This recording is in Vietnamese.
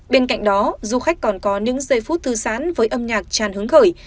bên cạnh đó du khách còn có những giây phút thư sán với âm nhạc tràn hứng khởi